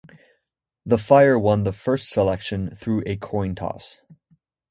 The Fire won the first selection through a coin toss.